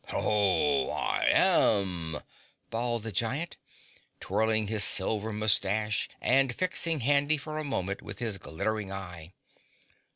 "Oh, I AM!" bawled the Giant, twirling his silver moustache and fixing Handy for a moment with his glittering eye.